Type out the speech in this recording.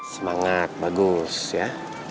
semangat bagus ya